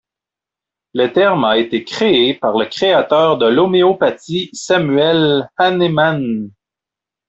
Le terme a été créé par le créateur de l'homéopathie Samuel Hahnemann.